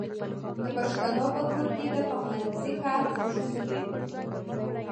د پښتنو په کور کې د پخلنځي کار د ښځو دی.